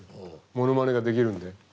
ものまねができるんで。